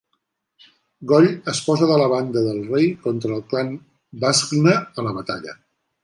Goll es posa de la banda del rei contra el clan Bascna a la batalla.